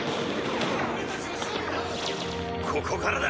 ここからだ！